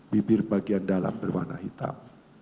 bibir bagian dalam berwarna hitam